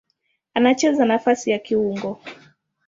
Anacheza nafasi ya kiungo.